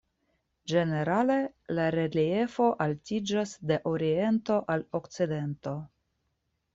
Ĝenerale la reliefo altiĝas de oriento al okcidento.